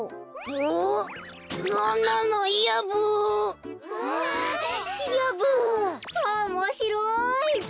おもしろいブ。